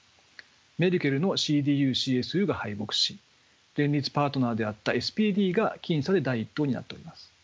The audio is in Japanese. メルケルのＣＤＵ／ＣＳＵが敗北し連立パートナーであったＳＰＤが僅差で第一党になっております。